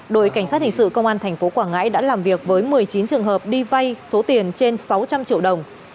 đội cảnh sát hình sự công an tp quảng ngãi đã làm việc với một mươi chín trường hợp đi vay số tiền trên sáu trăm linh triệu đồng